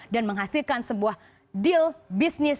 dan menghasilkan sebuah deal bisnis